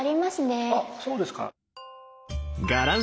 あっそうですか。